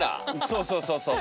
そうそうそうそう。